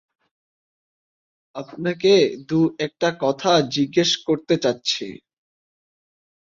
আপনাকে দু-একটা কথা জিজ্ঞেস করতে চাচ্ছি।